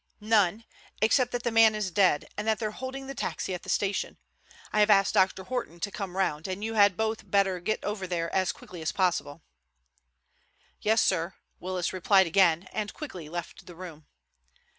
"None, except that the man is dead and that they're holding the taxi at the station. I have asked Dr. Horton to come round, and you had both better get over there as quickly as possible." "Yes, sir," Willis replied again, and quickly left the room.